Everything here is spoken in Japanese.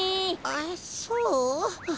あっそう？